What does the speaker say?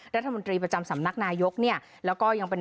รัฐมนตรีประจำสำนักนายกก็ยังเป็น